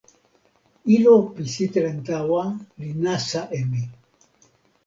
ilo pi sitelen tawa li nasa e mi.